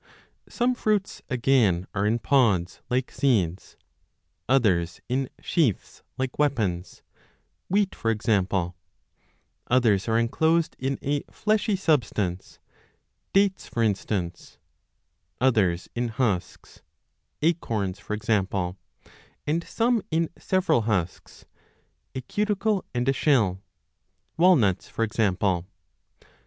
Some fruits, again, are in pods, like seeds ; others in sheaths, like weapons, wheat for example ; others are enclosed in a fleshy substance, dates for instance ; others in husks, 1 acorns for example, and some in several 10 husks, a cuticle 2 and a shell, walnuts 3 for example.